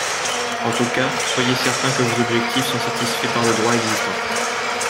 En tout cas, soyez certain que vos objectifs sont satisfaits par le droit existant.